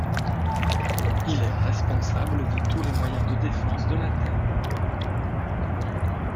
Il est responsable de tous les moyens de défense de la Terre.